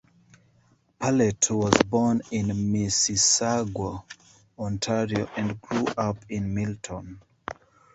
Pallett was born in Mississauga, Ontario and grew up in Milton.